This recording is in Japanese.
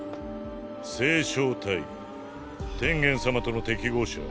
星漿体天元様との適合者